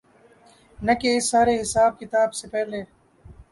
نہ کہ اس سارے حساب کتاب سے پہلے۔